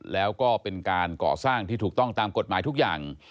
แล้วก็เป็นการก่อสร้างที่ถูกต้องตามกฎหมายทุกอย่าง